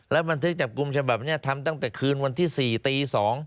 บันทึกจับกลุ่มฉบับนี้ทำตั้งแต่คืนวันที่๔ตี๒